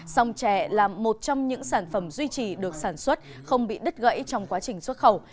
sông trè là một trong những sản phẩm duy trì được sản xuất không bị đứt gãy trong quá trình xuất khẩu